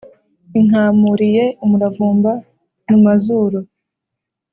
inkamuriye umuravumba mu mazuru